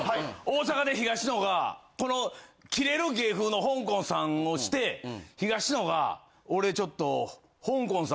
大阪で東野がこのキレる芸風のほんこんさんをして東野が「俺ちょっと」。